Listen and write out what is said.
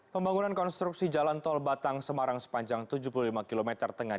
pembangunan konstruksi jalan tol batang semarang sepanjang tujuh puluh lima km tengah